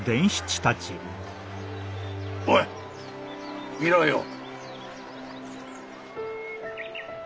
おい見ろよ。